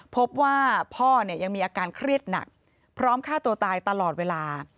พบว่าพ่อเนี่ยยังมีอาการเครียดหนักพร้อมฆ่าตัวตายตลอดเวลา